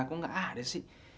gua nggak ada sih